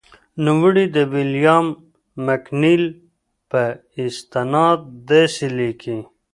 نوموړی د ویلیام مکنیل په استناد داسې لیکي.